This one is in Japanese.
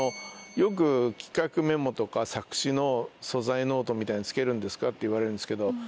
よく企画メモとか作詞の素材ノートみたいなのつけるんですかって言われるんですけど。